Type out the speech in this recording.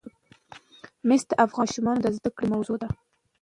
مس د افغان ماشومانو د زده کړې موضوع ده.